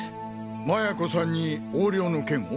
麻也子さんに横領の件を？